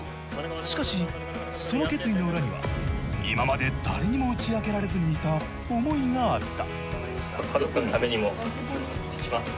しかしその決意の裏には今まで誰にも打ち明けられずにいた思いがあった。